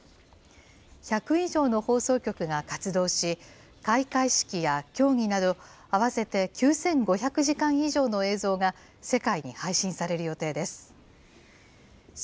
１００以上の放送局が活動し、開会式や競技など合わせて９５００時間以上の映像が世界に配信される予定です。